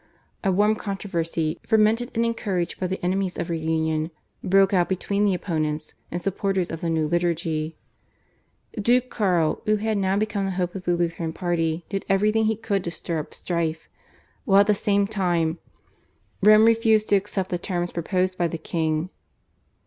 A warm controversy, fomented and encouraged by the enemies of reunion, broke out between the opponents and supporters of the new liturgy. Duke Karl, who had now become the hope of the Lutheran party, did everything he could to stir up strife, while at the same time Rome refused to accept the terms proposed by the king.